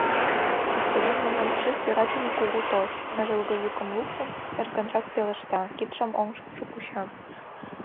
— Господин межомшик, йӧратыме кугу тос, — ныжылге йӱкым луктын, эркынрак пелешта, кидшым оҥышкыжо куча.